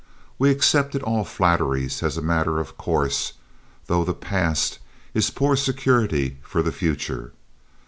We accepted all flatteries as a matter of course, though the past is poor security for the future.